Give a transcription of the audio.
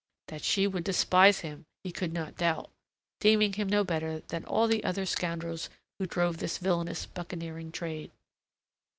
That she would despise him, he could not doubt, deeming him no better than all the other scoundrels who drove this villainous buccaneering trade.